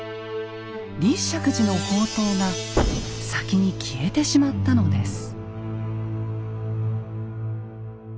立石寺の法灯が先に消えてしまったのです。